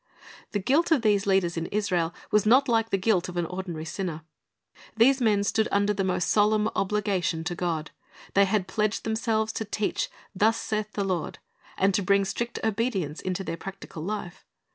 The guilt of these leaders in Israel was not like the guilt of the ordinary sinner. These men stood under the most solemn obligation to God. They had pledged themselves to teach a "Thus saith the Lord," and to bring strict obedience into their practical life.